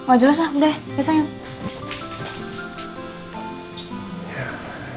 oh jelas lah udah besok yuk